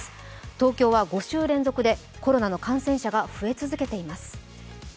東京は５週連続でコロナの感染者が増え続けています。